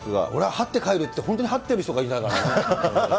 俺ははって帰るって、本当にはってる人いましたからね。